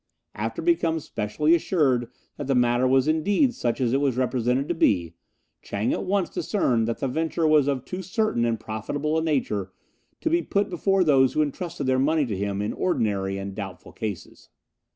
After becoming specially assured that the matter was indeed such as it was represented to be, Chang at once discerned that the venture was of too certain and profitable a nature to be put before those who entrusted their money to him in ordinary and doubtful cases.